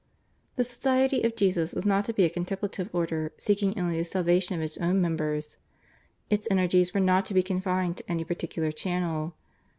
The Society of Jesus was not to be a contemplative order seeking only the salvation of its own members. Its energies were not to be confined to any particular channel.